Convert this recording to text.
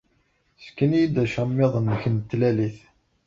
Ssken-iyi-d acamiḍ-nnek n tlalit.